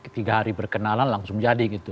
tiga hari berkenalan langsung jadi gitu